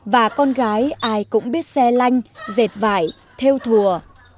và con gái ai cũng biết xe lanh dệt vải theo thùa